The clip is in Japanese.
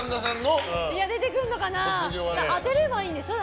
問題を当てればいいんでしょ。